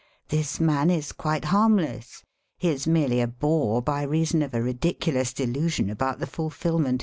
This man is quite harmless ; he is merely a bore by reason of a ridicu lous delusion about the fulfilment